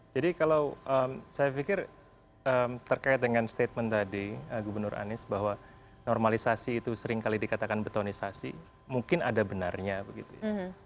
jadi kalau saya pikir terkait dengan statement tadi gubernur anies bahwa normalisasi itu seringkali dikatakan betonisasi mungkin ada benarnya begitu ya